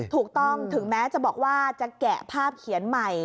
ถูกต้องถึงแม้จะบอกว่าจะแกะภาพเขียนใหม่